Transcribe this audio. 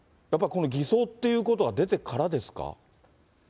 やっぱりこの偽装ということが出てからですか。